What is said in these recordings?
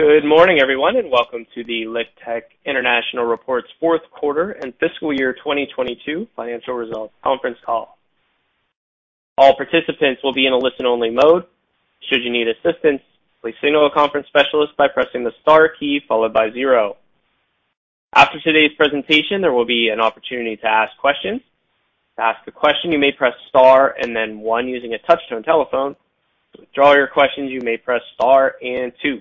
Good morning, everyone, and welcome to the LiqTech International Reports Fourth Quarter and Fiscal Year 2022 Financial Results conference call. All participants will be in a listen-only mode. Should you need assistance, please signal a conference specialist by pressing the star key followed by zero. After today's presentation, there will be an opportunity to ask questions. To ask a question, you may press star and then one using a touch-tone telephone. To withdraw your questions, you may press star and two.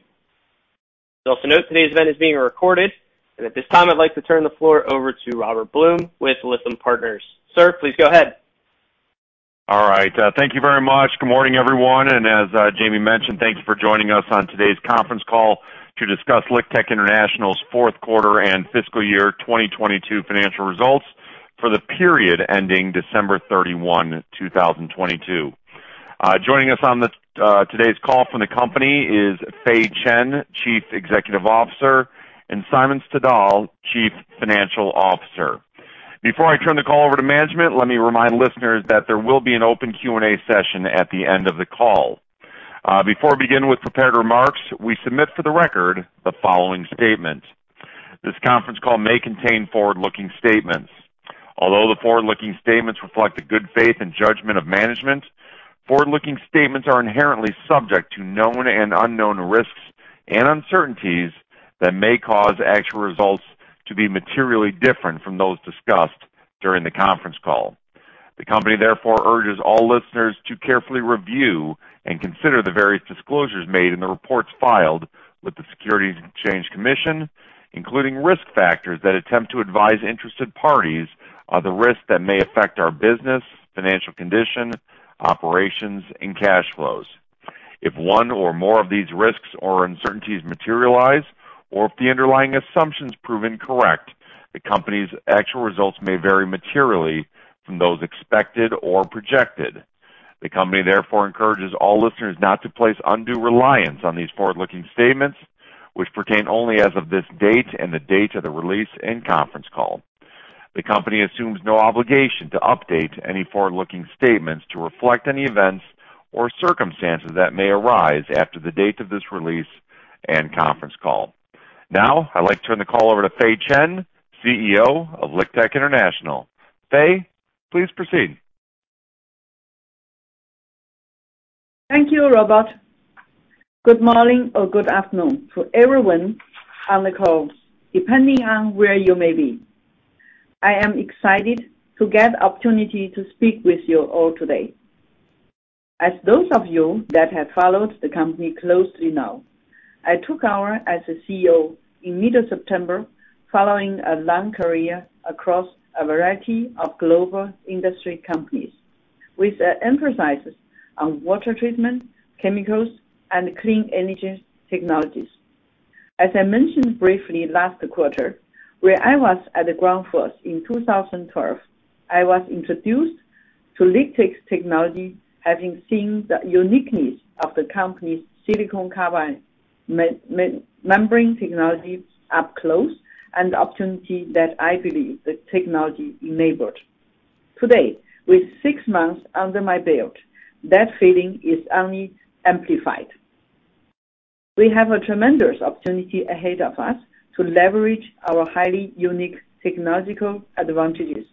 You also note today's event is being recorded. At this time, I'd like to turn the floor over to Robert Blum with Lytham Partners. Sir, please go ahead. All right. Thank you very much. Good morning, everyone. As Jamie mentioned, thanks for joining us on today's conference call to discuss LiqTech International's fourth quarter and fiscal year 2022 financial results for the period ending December 31, 2022. Joining us on this today's call from the company is Fei Chen, Chief Executive Officer, and Simon Stadil, Chief Financial Officer. Before I turn the call over to management, let me remind listeners that there will be an open Q&A session at the end of the call. Before we begin with prepared remarks, we submit for the record the following statement. This conference call may contain forward-looking statements. Although the forward-looking statements reflect the good faith and judgment of management, forward-looking statements are inherently subject to known and unknown risks and uncertainties that may cause actual results to be materially different from those discussed during the conference call. The company therefore urges all listeners to carefully review and consider the various disclosures made in the reports filed with the Securities and Exchange Commission, including risk factors that attempt to advise interested parties of the risks that may affect our business, financial condition, operations, and cash flows. If one or more of these risks or uncertainties materialize, or if the underlying assumptions prove incorrect, the company's actual results may vary materially from those expected or projected. The company therefore encourages all listeners not to place undue reliance on these forward-looking statements, which pertain only as of this date and the date of the release and conference call. The company assumes no obligation to update any forward-looking statements to reflect any events or circumstances that may arise after the date of this release and conference call. Now, I'd like to turn the call over to Fei Chen, CEO of LiqTech International. Fei, please proceed. Thank you, Robert. Good morning or good afternoon to everyone on the call, depending on where you may be. I am excited to get the opportunity to speak with you all today. As those of you that have followed the company closely know, I took over as the CEO in mid-September, following a long career across a variety of global industry companies, with an emphasis on water treatment, chemicals, and clean energy technologies. As I mentioned briefly last quarter, when I was at Grundfos in 2012, I was introduced to LiqTech's technology, having seen the uniqueness of the company's silicon carbide membrane technology up close, and the opportunity that I believe the technology enabled. Today, with six months under my belt, that feeling is only amplified. We have a tremendous opportunity ahead of us to leverage our highly unique technological advantages,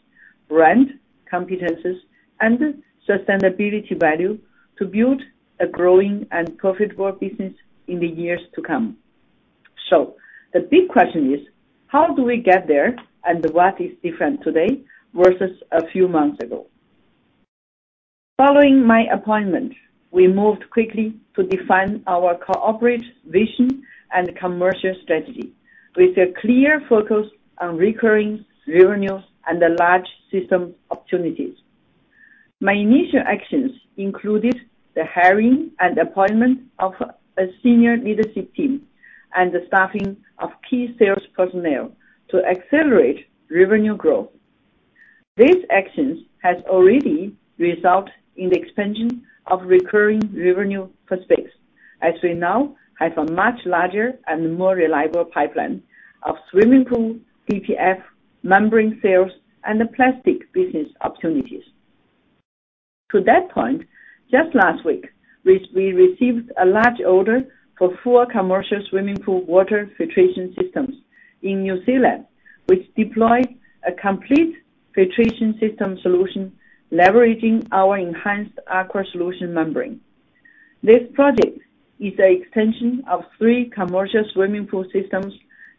brand competencies, and sustainability value to build a growing and profitable business in the years to come. The big question is: How do we get there? What is different today versus a few months ago? Following my appointment, we moved quickly to define our corporate vision and commercial strategy with a clear focus on recurring revenues and the large system opportunities. My initial actions included the hiring and appointment of a senior leadership team and the staffing of key sales personnel to accelerate revenue growth. These actions has already result in the expansion of recurring revenue prospects, as we now have a much larger and more reliable pipeline of swimming pool, DPF, membrane sales, and the plastic business opportunities. To that point, just last week, we received a large order for four commercial swimming pool water filtration systems in New Zealand, which deployed a complete filtration system solution leveraging our enhanced Aqua Solution membrane. This project is an extension of three commercial swimming pool systems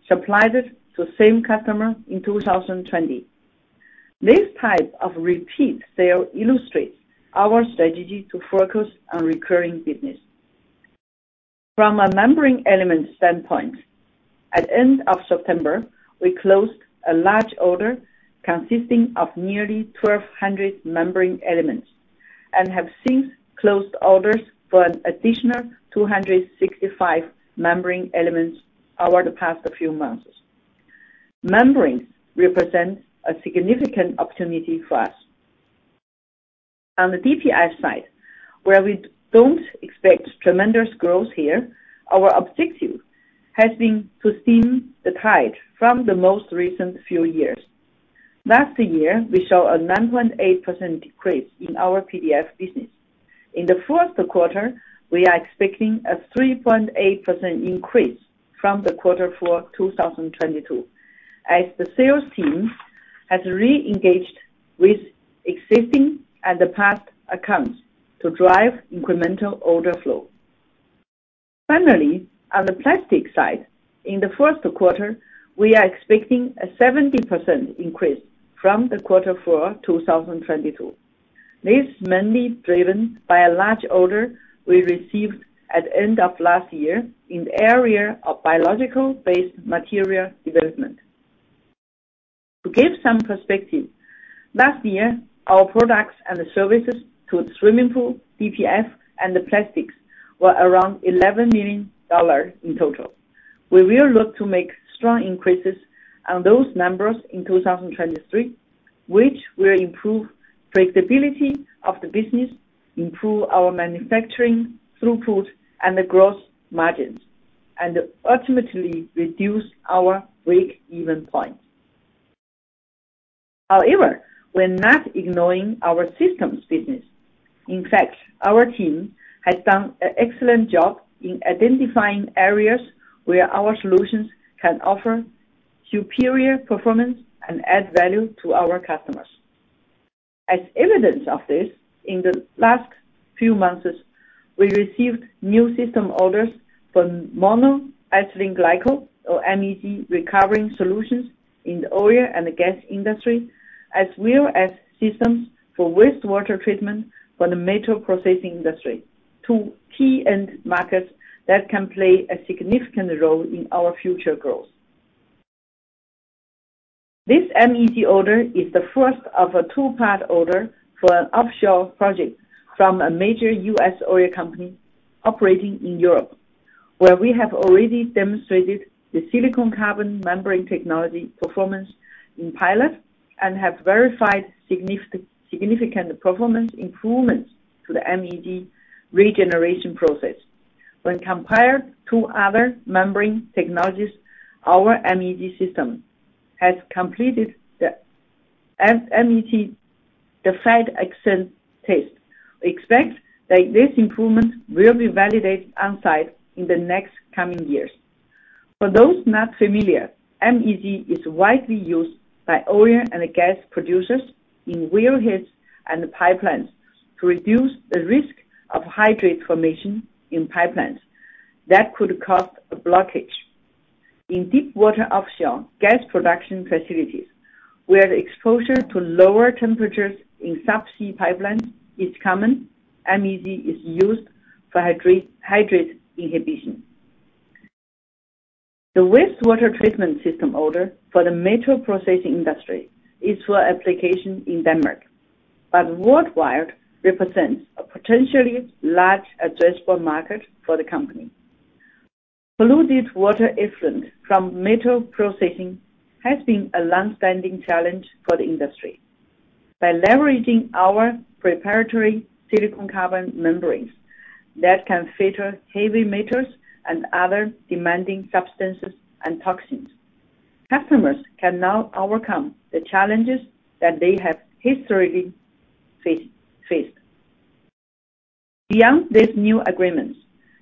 supplied to the same customer in 2020. This type of repeat sale illustrates our strategy to focus on recurring business. From a membrane element standpoint, at end of September, we closed a large order consisting of nearly 1,200 membrane elements and have since closed orders for an additional 265 membrane elements over the past few months. Membranes represent a significant opportunity for us. On the DPF side, where we don't expect tremendous growth here, our objective has been to stem the tide from the most recent few years. Last year, we saw a 9.8% decrease in our DPF business. In the first quarter, we are expecting a 3.8% increase from the quarter for 2022, as the sales team has re-engaged with existing and the past accounts to drive incremental order flow. On the plastics side, in the first quarter, we are expecting a 70% increase from the quarter for 2022. This is mainly driven by a large order we received at end of last year in the area of biological-based material development. To give some perspective, last year, our products and services to the swimming pool, DPF, and the plastics were around $11 million in total. We will look to make strong increases on those numbers in 2023, which will improve predictability of the business, improve our manufacturing throughput and the growth margins, and ultimately reduce our break-even point. We're not ignoring our systems business. Our team has done an excellent job in identifying areas where our solutions can offer superior performance and add value to our customers. As evidence of this, in the last few months, we received new system orders for monoethylene glycol, or MEG, recovering solutions in the oil and gas industry, as well as systems for wastewater treatment for the metal processing industry, two key end markets that can play a significant role in our future growth. This MEG order is the first of a two-part order for an offshore project from a major US oil company operating in Europe, where we have already demonstrated the silicon carbide membrane technology performance in pilot and have verified significant performance improvements to the MEG regeneration process. When compared to other membrane technologies, our MEG system has completed the MEG, the FAT test. We expect that this improvement will be validated on-site in the next coming years. For those not familiar, MEG is widely used by oil and gas producers in wellheads and pipelines to reduce the risk of hydrate formation in pipelines that could cause a blockage. In deep water offshore gas production facilities, where exposure to lower temperatures in subsea pipelines is common, MEG is used for hydrate inhibition. The wastewater treatment system order for the metal processing industry is for application in Denmark, but worldwide represents a potentially large addressable market for the company. Polluted water effluent from metal processing has been a long-standing challenge for the industry. By leveraging our preparatory silicon carbide membranes that can filter heavy metals and other demanding substances and toxins, customers can now overcome the challenges that they have historically faced. Beyond these new agreements,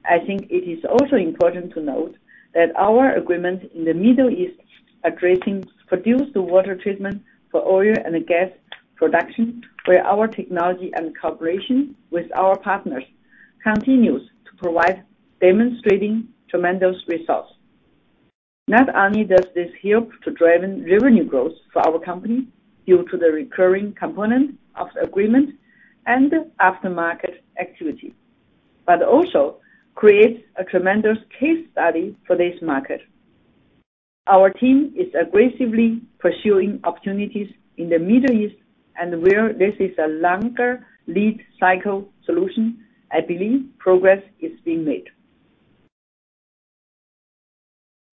I think it is also important to note that our agreement in the Middle East addressing produced water treatment for oil and gas production, where our technology and cooperation with our partners continues to provide demonstrating tremendous results. Not only does this help to drive revenue growth for our company due to the recurring component of the agreement and aftermarket activity, but also creates a tremendous case study for this market. Our team is aggressively pursuing opportunities in the Middle East. Where this is a longer lead cycle solution, I believe progress is being made.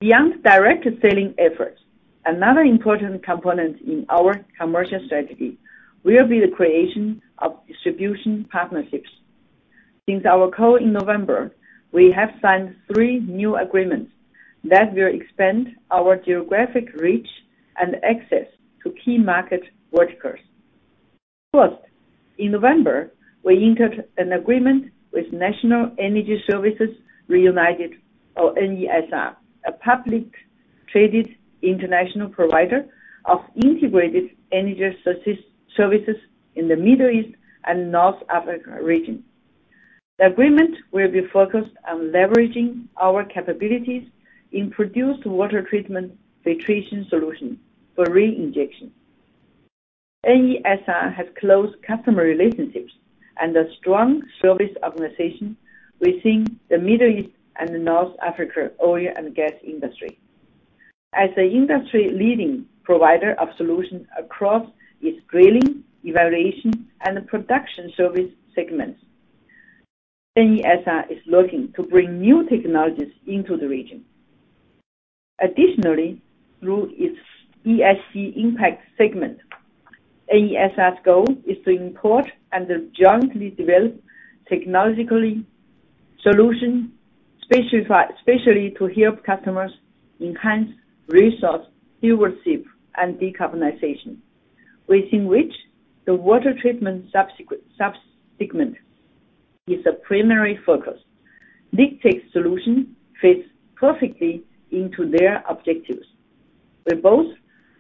Beyond direct selling efforts, another important component in our commercial strategy will be the creation of distribution partnerships. Since our call in November, we have signed 3 new agreements that will expand our geographic reach and access to key market workers. First, in November, we entered an agreement with National Energy Services Reunited or NESR, a publicly traded international provider of integrated energy services in the Middle East and North Africa region. The agreement will be focused on leveraging our capabilities in produced water treatment filtration solution for reinjection. NESR has close customer relationships and a strong service organization within the Middle East and North Africa oil and gas industry. As an industry-leading provider of solutions across its drilling, evaluation, and production service segments, NESR is looking to bring new technologies into the region. Through its ESG Impact segment, NESR's goal is to import and jointly develop technology solutions especially to help customers enhance resource stewardship and decarbonization, within which the water treatment subsegment is a primary focus. LiqTech solution fits perfectly into their objectives. We both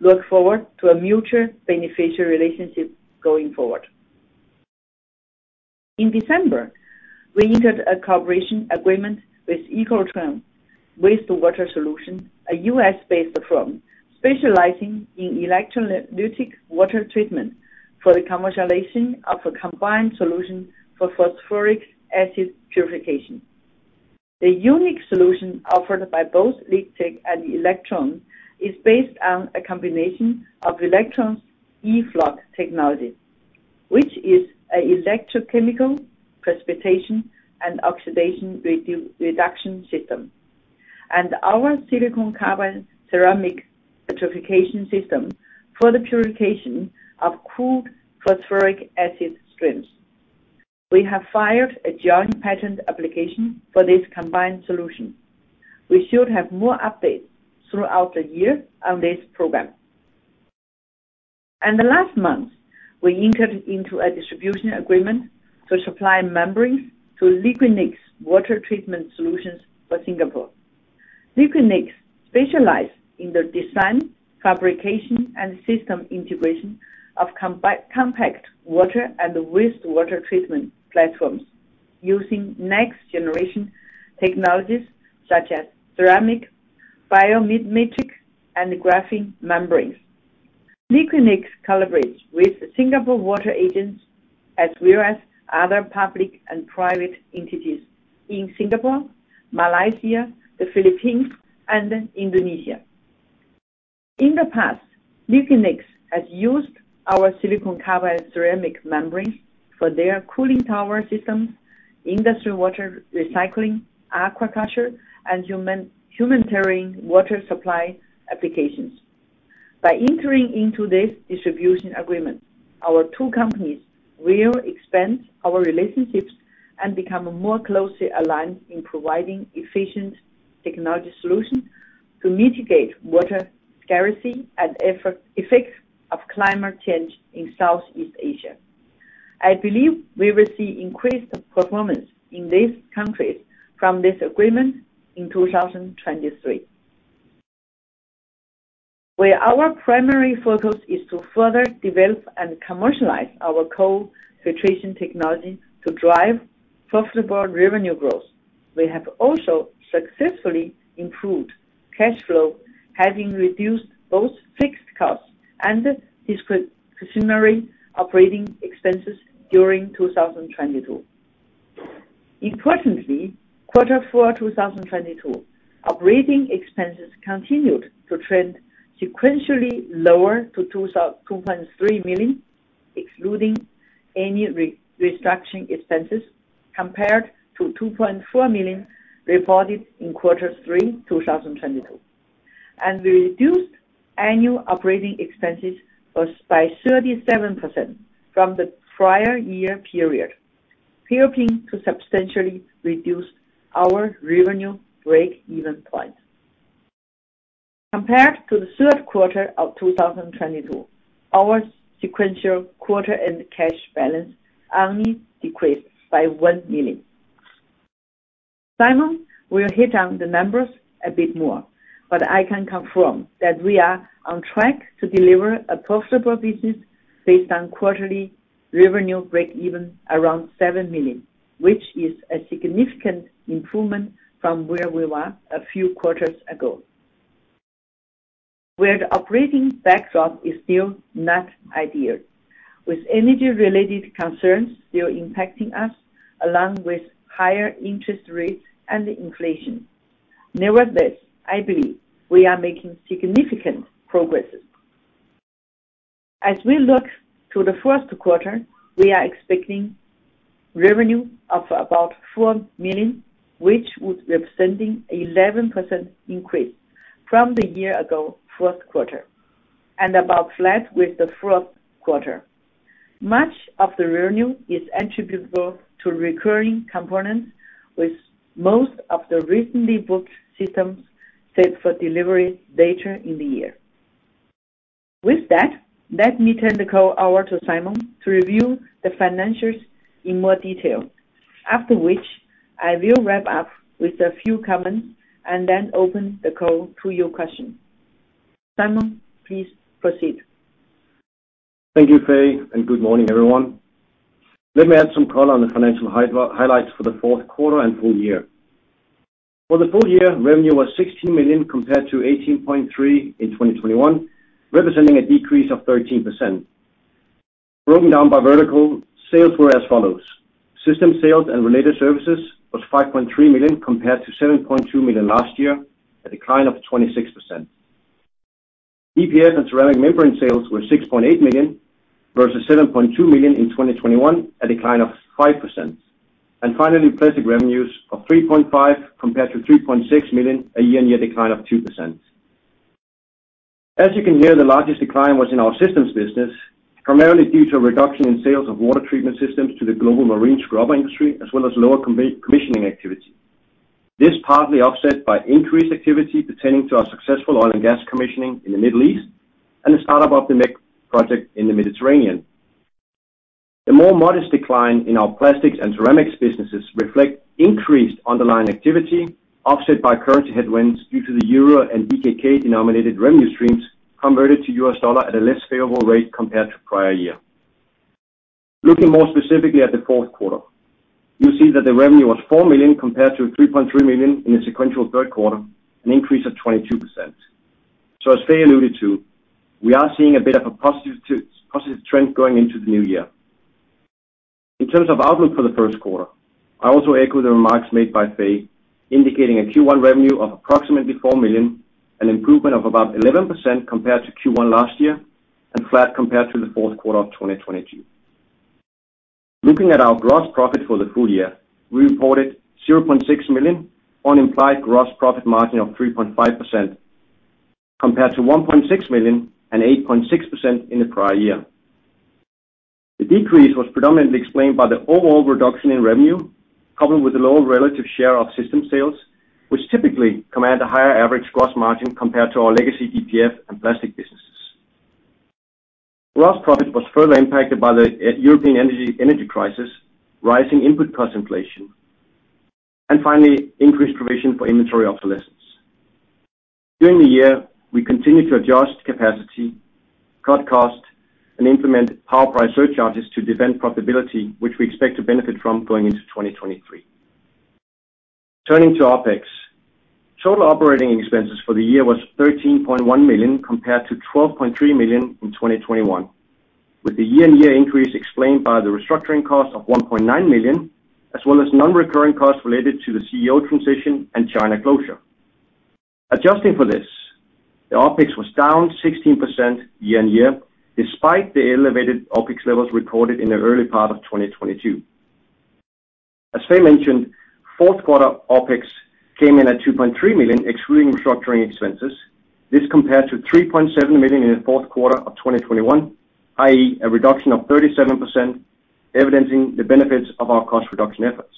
look forward to a mutually beneficial relationship going forward. In December, we entered a cooperation agreement with Electron Wastewater Solution, a US-based firm specializing in electrolytic water treatment for the commercialization of a combined solution for phosphoric acid purification. The unique solution offered by both LiqTech and Electron is based on a combination of Electron's E-FLOC technology, which is an electrochemical precipitation and oxidation reduction system, and our silicon carbide ceramic filtration system for the purification of crude phosphoric acid streams. We have filed a joint patent application for this combined solution. We should have more updates throughout the year on this program. The last month, we entered into a distribution agreement to supply membranes to Liquinex Water Treatment Solutions for Singapore. Liquinex specialize in the design, fabrication, and system integration of combi-compact water and wastewater treatment platforms using next generation technologies such as ceramic, biomimetic, and graphene membranes. Liquinex collaborates with Singapore Water Agency as well as other public and private entities in Singapore, Malaysia, the Philippines, and Indonesia. In the past, Liquinex has used our silicon carbide ceramic membranes for their cooling tower systems, industrial water recycling, aquaculture, and humanitarian water supply applications. By entering into this distribution agreement, our two companies will expand our relationships and become more closely aligned in providing efficient technology solutions to mitigate water scarcity and effects of climate change in Southeast Asia. I believe we will see increased performance in these countries from this agreement in 2023. Where our primary focus is to further develop and commercialize our co-filtration technology to drive profitable revenue growth, we have also successfully improved cash flow, having reduced both fixed costs and discretionary operating expenses during 2022. Importantly, quarter four, 2022, operating expenses continued to trend sequentially lower to $2.3 million, excluding any restructuring expenses, compared to $2.4 million reported in quarter three, 2022. Reduced annual operating expenses was by 37% from the prior year period, helping to substantially reduce our revenue break-even point. Compared to the third quarter of 2022, our sequential quarter and cash balance only decreased by $1 million. Simon will hit on the numbers a bit more. I can confirm that we are on track to deliver a profitable business based on quarterly revenue break-even around $7 million, which is a significant improvement from where we were a few quarters ago. Where the operating backdrop is still not ideal, with energy-related concerns still impacting us along with higher interest rates and inflation. Nevertheless, I believe we are making significant progresses. As we look to the first quarter, we are expecting revenue of about $4 million, which would representing 11% increase from the year-ago fourth quarter and about flat with the fourth quarter. Much of the revenue is attributable to recurring components with most of the recently booked systems set for delivery later in the year. With that, let me turn the call over to Simon to review the financials in more detail. After which, I will wrap up with a few comments and then open the call to your questions. Simon, please proceed. Thank you, Fei, and good morning, everyone. Let me add some color on the financial highlights for the fourth quarter and full year. For the full year, revenue was $16 million compared to $18.3 million in 2021, representing a decrease of 13%. Broken down by vertical, sales were as follows: System sales and related services was $5.3 million compared to $7.2 million last year, a decline of 26%. DPF and ceramic membrane sales were $6.8 million versus $7.2 million in 2021, a decline of 5%. Finally, plastic revenues of $3.5 million compared to $3.6 million, a year-on-year decline of 2%. As you can hear, the largest decline was in our systems business, primarily due to a reduction in sales of water treatment systems to the global marine scrubber industry, as well as lower commissioning activity. This partly offset by increased activity pertaining to our successful oil and gas commissioning in the Middle East and the start-up of the MEG project in the Mediterranean. The more modest decline in our plastics and ceramics businesses reflect increased underlying activity offset by currency headwinds due to the euro and DKK-denominated revenue streams converted to US dollar at a less favorable rate compared to prior year. Looking more specifically at the fourth quarter, you'll see that the revenue was $4 million compared to $3.3 million in the sequential third quarter, an increase of 22%. As Faye alluded to, we are seeing a bit of a positive trend going into the new year. In terms of outlook for the first quarter, I also echo the remarks made by Faye, indicating a Q1 revenue of approximately $4 million, an improvement of about 11% compared to Q1 last year, and flat compared to the fourth quarter of 2022. Looking at our gross profit for the full year, we reported $0.6 million on implied gross profit margin of 3.5%, compared to $1.6 million and 8.6% in the prior year. The decrease was predominantly explained by the overall reduction in revenue, coupled with the lower relative share of system sales, which typically command a higher average gross margin compared to our legacy DPF and plastic businesses. Gross profit was further impacted by the European energy crisis, rising input cost inflation, and finally, increased provision for inventory obsolescence. During the year, we continued to adjust capacity, cut costs, and implement power price surcharges to defend profitability, which we expect to benefit from going into 2023. Turning to OpEx. Total operating expenses for the year was $13.1 million compared to $12.3 million in 2021, with the year-on-year increase explained by the restructuring cost of $1.9 million, as well as non-recurring costs related to the CEO transition and China closure. Adjusting for this, the OpEx was down 16% year-on-year, despite the elevated OpEx levels recorded in the early part of 2022. As Faye mentioned, fourth quarter OpEx came in at $2.3 million, excluding restructuring expenses. This compared to $3.7 million in the fourth quarter of 2021, i.e., a reduction of 37%, evidencing the benefits of our cost reduction efforts.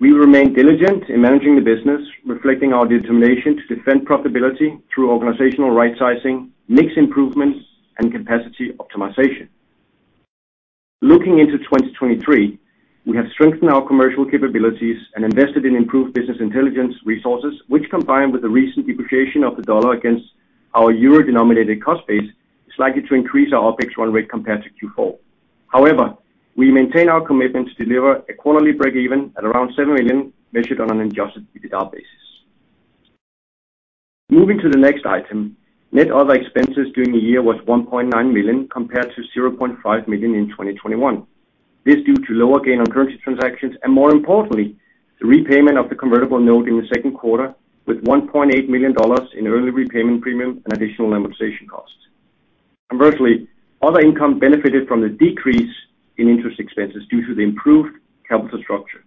We remain diligent in managing the business, reflecting our determination to defend profitability through organizational rightsizing, mix improvements, and capacity optimization. Looking into 2023, we have strengthened our commercial capabilities and invested in improved business intelligence resources, which combined with the recent depreciation of the dollar against our euro-denominated cost base, is likely to increase our OpEx run rate compared to Q4. We maintain our commitment to deliver a quarterly break even at around $7 million, measured on an adjusted EBITDA basis. Moving to the next item, net other expenses during the year was $1.9 million, compared to $0.5 million in 2021. This due to lower gain on currency transactions. More importantly, the repayment of the convertible note in the second quarter, with $1.8 million in early repayment premium and additional amortization costs. Commercially, other income benefited from the decrease in interest expenses due to the improved capital structure,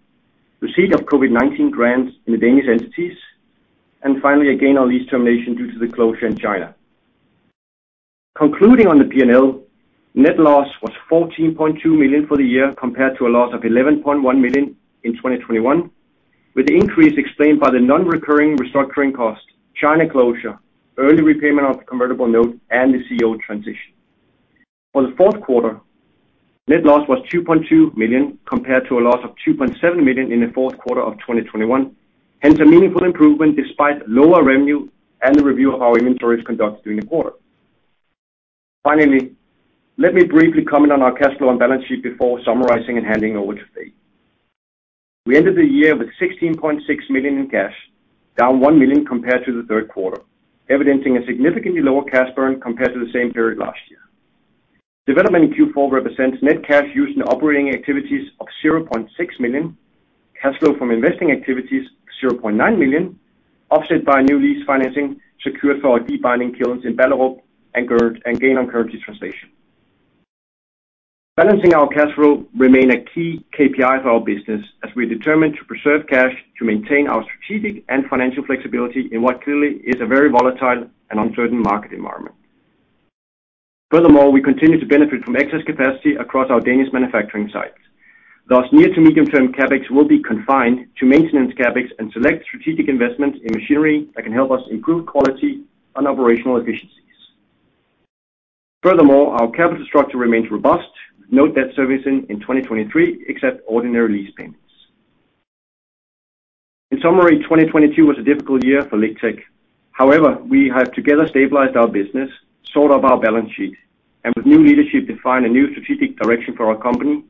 receipt of COVID-19 grants in the Danish entities. Finally, a gain on lease termination due to the closure in China. Concluding on the P&L, net loss was $14.2 million for the year, compared to a loss of $11.1 million in 2021, with the increase explained by the non-recurring restructuring costs, China closure, early repayment of convertible note, and the CEO transition. For the fourth quarter, net loss was $2.2 million, compared to a loss of $2.7 million in the fourth quarter of 2021. A meaningful improvement despite lower revenue and the review of our inventories conducted during the quarter. Let me briefly comment on our cash flow and balance sheet before summarizing and handing over to Faye. We ended the year with $16.6 million in cash, down $1 million compared to the third quarter, evidencing a significantly lower cash burn compared to the same period last year. Development in Q4 represents net cash used in operating activities of $0.6 million, cash flow from investing activities of $0.9 million, offset by a new lease financing secured for our debinding kilns in Ballerup and gain on currency translation. Balancing our cash flow remain a key KPI for our business, as we are determined to preserve cash to maintain our strategic and financial flexibility in what clearly is a very volatile and uncertain market environment. We continue to benefit from excess capacity across our Danish manufacturing sites. Near to medium-term CapEx will be confined to maintenance CapEx and select strategic investments in machinery that can help us improve quality and operational efficiencies. Our capital structure remains robust. Note that servicing in 2023 except ordinary lease payments. In summary, 2022 was a difficult year for LiqTech. We have together stabilized our business, sorted up our balance sheet, and with new leadership, defined a new strategic direction for our company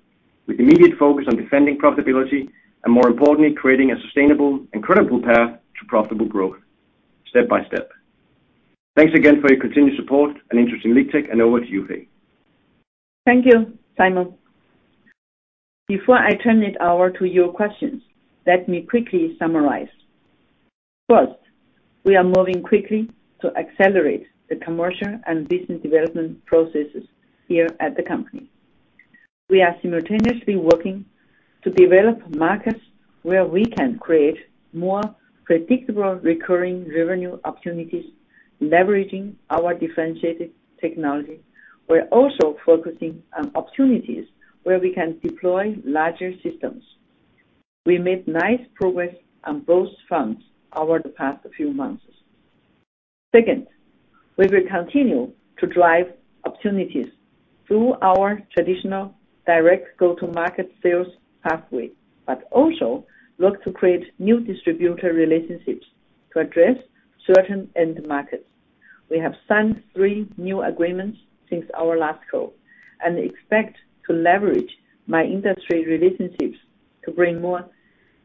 with immediate focus on defending profitability, and more importantly, creating a sustainable and credible path to profitable growth step by step. Thanks again for your continued support and interest in LiqTech, over to you, Faye. Thank you, Simon. Before I turn it over to your questions, let me quickly summarize. First, we are moving quickly to accelerate the commercial and business development processes here at the company. We are simultaneously working to develop markets where we can create more predictable recurring revenue opportunities, leveraging our differentiated technology. We're also focusing on opportunities where we can deploy larger systems. We made nice progress on both fronts over the past few months. Second, we will continue to drive opportunities through our traditional direct go-to-market sales pathway, but also look to create new distributor relationships to address certain end markets. We have signed three new agreements since our last call, and expect to leverage my industry relationships to bring more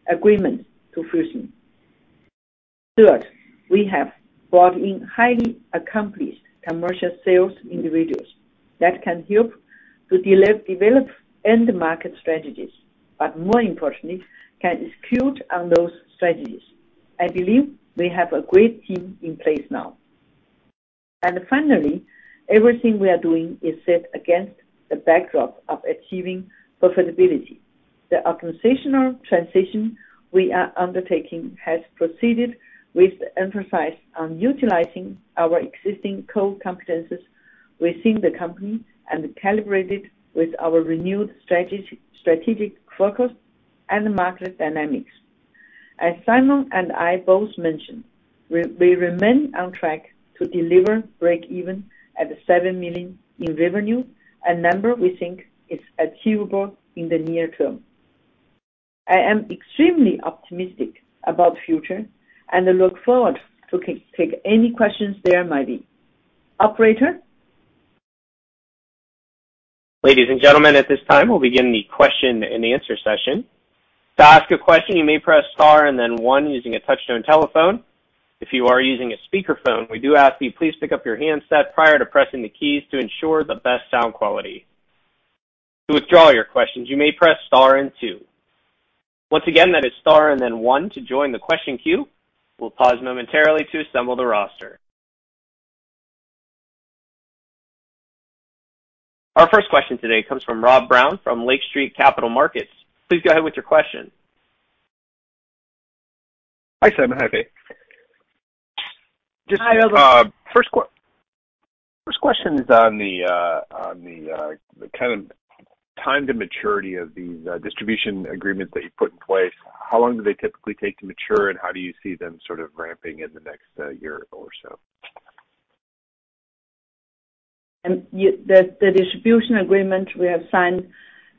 agreements to fusion. Third, we have brought in highly accomplished commercial sales individuals that can help to develop end market strategies, but more importantly, can execute on those strategies. I believe we have a great team in place now. Finally, everything we are doing is set against the backdrop of achieving profitability. The organizational transition we are undertaking has proceeded with emphasis on utilizing our existing core competencies within the company and calibrated with our renewed strategic focus and market dynamics. As Simon and I both mentioned, we remain on track to deliver break-even at $7 million in revenue, a number we think is achievable in the near term. I am extremely optimistic about the future and look forward to take any questions there might be. Operator? Ladies and gentlemen, at this time, we'll begin the question and answer session. To ask a question, you may press Star and then one using a touch-tone telephone. If you are using a speakerphone, we do ask you please pick up your handset prior to pressing the keys to ensure the best sound quality. To withdraw your questions, you may press Star and two. Once again, that is Star and then one to join the question queue. We'll pause momentarily to assemble the roster. Our first question today comes from Rob Brown from Lake Street Capital Markets. Please go ahead with your question. Hi, Simon. Hi, Fei. Hi, Rob. Just, first question is on the kind of time to maturity of these distribution agreements that you put in place. How long do they typically take to mature? How do you see them sort of ramping in the next year or so? The distribution agreement we have signed,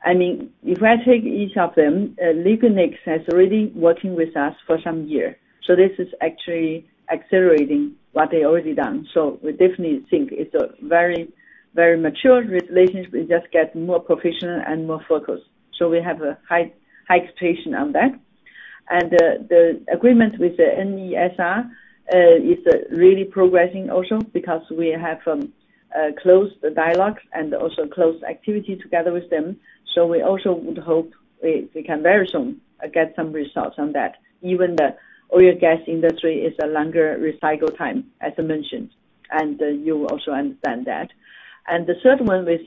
I mean, if I take each of them, Liquinex has already working with us for some year, this is actually accelerating what they already done. We definitely think it's a very, very mature relationship. We just get more professional and more focused. We have a high, high expectation on that. The agreement with the NESR is really progressing also because we have close dialogues and also close activity together with them. We also would hope we can very soon get some results on that. Even the oil and gas industry is a longer recycle time, as I mentioned, and you also understand that. The third one with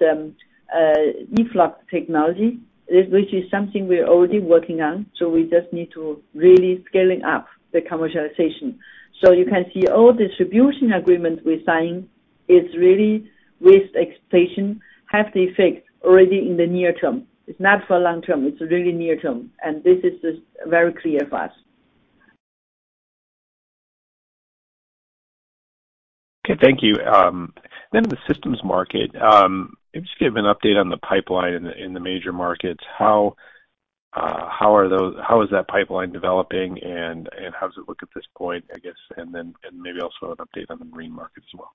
E-FLOC technology, which is something we're already working on, we just need to really scaling up the commercialization. You can see all distribution agreements we're signing is really with expectation have the effect already in the near term. It's not for long term, it's really near term. This is just very clear for us. Okay. Thank you. The systems market, if you give an update on the pipeline in the major markets, how is that pipeline developing and how does it look at this point, I guess? Maybe also an update on the marine market as well.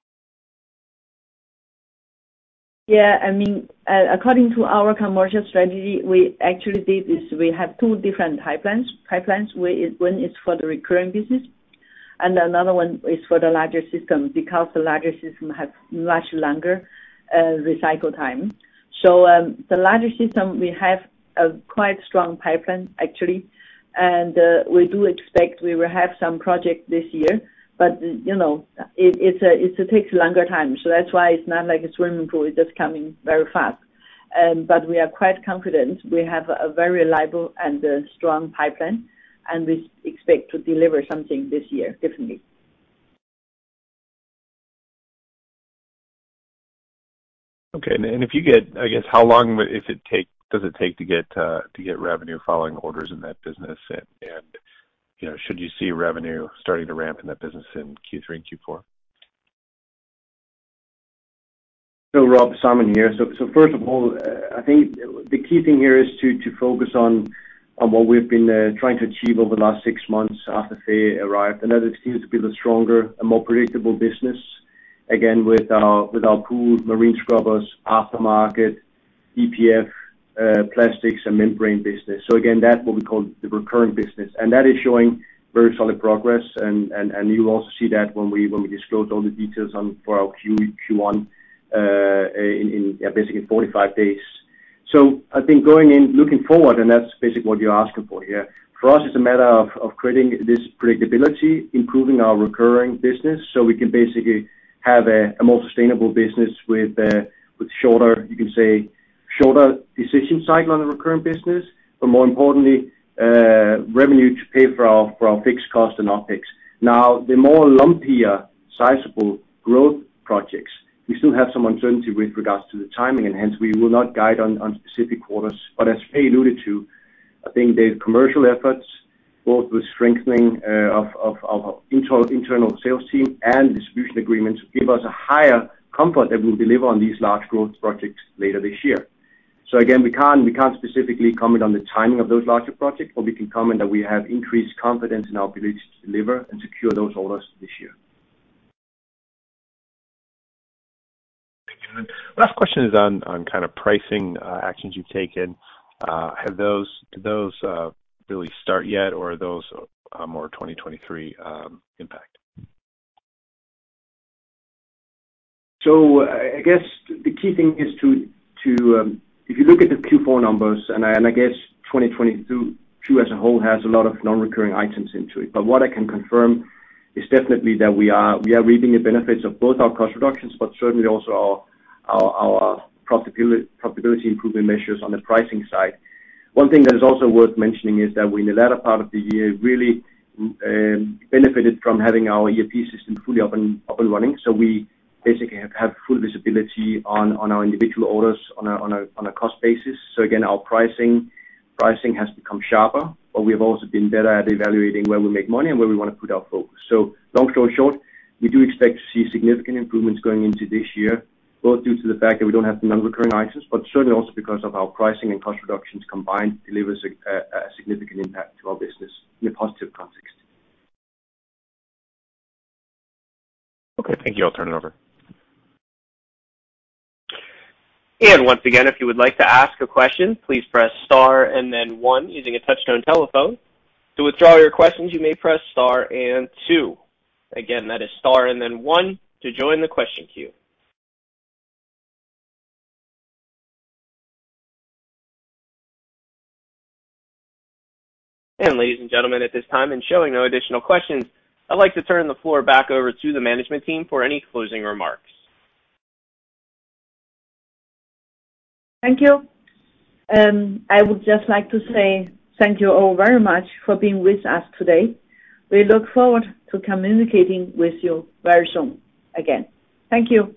Yeah. I mean, according to our commercial strategy, we actually did this. We have two different pipelines. One is for the recurring business and another one is for the larger system, because the larger system have much longer recycle time. The larger system, we have a quite strong pipeline actually, and we do expect we will have some project this year. You know, it takes longer time, so that's why it's not like a swimming pool. It's just coming very fast. We are quite confident we have a very reliable and a strong pipeline, and we expect to deliver something this year, definitely. Okay. If you get, I guess, how long would it take, does it take to get, to get revenue following orders in that business? You know, should you see revenue starting to ramp in that business in Q3 and Q4? Rob, Simon here. First of all, I think the key thing here is to focus on what we've been trying to achieve over the last 6 months after Fei arrived. That is continue to build a stronger and more predictable business, again, with our pooled marine scrubbers, aftermarket, EPF, plastics and membrane business. Again, that's what we call the recurring business, and that is showing very solid progress. You will also see that when we disclose all the details on for our Q1, in basically in 45 days. I think going in, looking forward, and that's basically what you're asking for, yeah. For us, it's a matter of creating this predictability, improving our recurring business so we can basically have a more sustainable business with shorter, you can say, shorter decision cycle on the recurring business, but more importantly, revenue to pay for our fixed cost and OpEx. The more lumpier sizable growth projects, we still have some uncertainty with regards to the timing, and hence, we will not guide on specific quarters. As Faye alluded to, I think the commercial efforts, both the strengthening of our internal sales team and distribution agreements give us a higher comfort that we'll deliver on these large growth projects later this year. Again, we can't specifically comment on the timing of those larger projects, but we can comment that we have increased confidence in our ability to deliver and secure those orders this year. Thank you. Last question is on kind of pricing actions you've taken. Did those really start yet or are those more 2023 impact? I guess the key thing is to... If you look at the Q4 numbers, and I guess 2022 as a whole has a lot of non-recurring items into it. What I can confirm is definitely that we are reaping the benefits of both our cost reductions, but certainly also our profitability improvement measures on the pricing side. One thing that is also worth mentioning is that we, in the latter part of the year, really benefited from having our ERP system fully up and running. We basically have full visibility on our individual orders on a cost basis. Again, our pricing has become sharper, but we have also been better at evaluating where we make money and where we wanna put our focus. Long story short, we do expect to see significant improvements going into this year, both due to the fact that we don't have the non-recurring items, but certainly also because of our pricing and cost reductions combined delivers a significant impact to our business in a positive context. Okay. Thank you. I'll turn it over. Once again, if you would like to ask a question, please press star and then 1 using a touch-tone telephone. To withdraw your questions, you may press star and 2. Again, that is star and then 1 to join the question queue. Ladies and gentlemen, at this time and showing no additional questions, I'd like to turn the floor back over to the management team for any closing remarks. Thank you. I would just like to say thank you all very much for being with us today. We look forward to communicating with you very soon again. Thank you.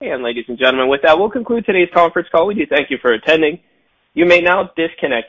Ladies and gentlemen, with that, we'll conclude today's conference call. We do thank you for attending. You may now disconnect your lines.